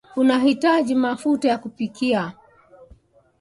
utahitaji mafuta ya kupikia